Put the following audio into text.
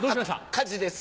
火事です。